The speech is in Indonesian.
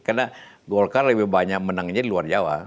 karena golkar lebih banyak menangnya di luar jawa